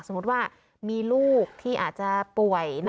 สมมุติว่ามีลูกที่อาจจะป่วยหนัก